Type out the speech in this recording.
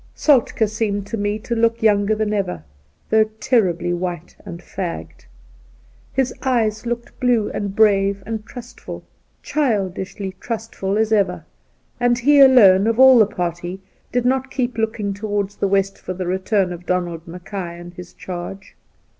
Soltk^ seemed to me to look younger than ever, though terribly white and fagged. His eyes looked blue and brave and trustful — childishly trustful^ as ever, and he alone, of all the party, did not keep looking towards the west for the return of Donald Mackay and his .charge.